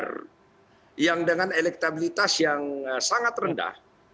bagaimana si orang ganjar yang dengan elektabilitas yang sangat rendah